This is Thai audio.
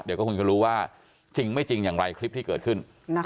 เดี๋ยวก็คงจะรู้ว่าจริงไม่จริงอย่างไรคลิปที่เกิดขึ้น